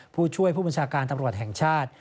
ผู้ช่วยผู้บัญชาการตำรวจแห่งชาติ